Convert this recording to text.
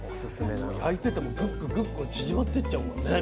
焼いててもぐっぐぐっぐ縮まってっちゃうもんね